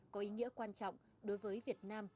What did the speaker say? có ý nghĩa quan trọng đối với việt nam